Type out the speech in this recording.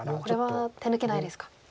これは手抜けないですか。